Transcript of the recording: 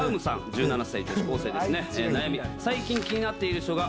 「最近気になっている人が